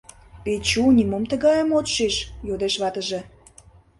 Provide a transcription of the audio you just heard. — Печу, нимом тугайым от шиж? — йодеш ватыже.